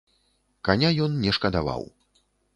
Каня ён не шкадаваў.